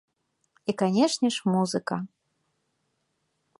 І, канешне ж, музыка.